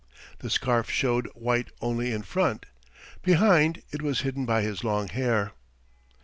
The scarf showed white only in front, behind it was hidden by his long hair.